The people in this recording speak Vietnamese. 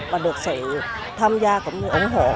và được sự tham gia cũng như ủng hộ